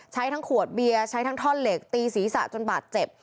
ใช้ทั้งขวดเบียร์ใช้ทั้งท่อนเหล็กตีศีรษะจนบาดเจ็บ